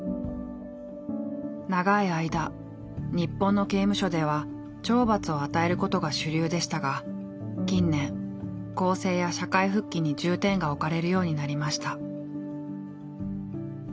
長い間日本の刑務所では懲罰を与えることが主流でしたが近年更生や社会復帰に重点が置かれるようになりました。